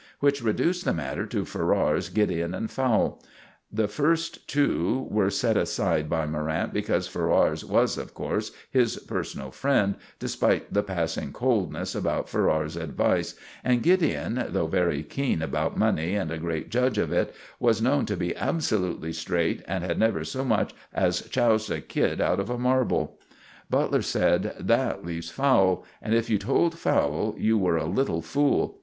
Which reduced the matter to Ferrars, Gideon, and Fowle; and the first two were set aside by Morrant because Ferrars was, of course, his personal friend, despite the passing coldness about Ferrars' advice, and Gideon, though very keen about money and a great judge of it, was known to be absolutely straight, and had never so much as choused a kid out of a marble. Butler said: "That leaves Fowle; and if you told Fowle you were a little fool."